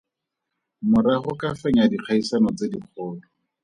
Morago ka fenya dikgaisano tse dikgolo.